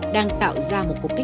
đang tạo ra một cuộc sống đặc biệt